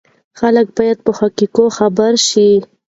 خلک باید په حقایقو خبر شي.